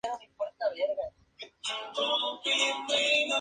En Reino Unido; Kesha hizo dos apariciones para cantar la canción.